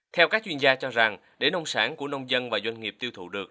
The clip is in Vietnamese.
theo các chuyên gia cho rằng để nông sản của nông dân và doanh nghiệp tiêu thụ được